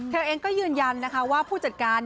เธอเองก็ยืนยันนะคะว่าผู้จัดการ